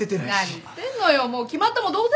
何言ってんのよもう決まったも同然じゃない。